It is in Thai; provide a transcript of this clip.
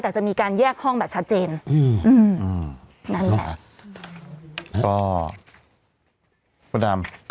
แต่จะมีการแยกห้องแบบชัดเจนอืมอืมอืมอืมนั่นแหละก็